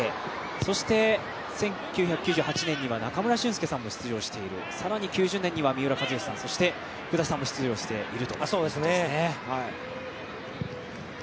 そして、１９９８年には中村俊輔さんも出場されて更に９０年には三浦知良福田さんも出場している。